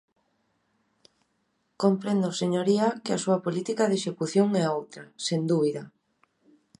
Comprendo, señoría, que a súa política de execución é outra, sen dúbida.